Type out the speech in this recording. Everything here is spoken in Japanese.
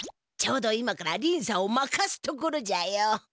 ちょうど今からりんさんを負かすところじゃよ。